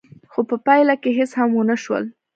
خو په پايله کې هېڅ هم ونه شول.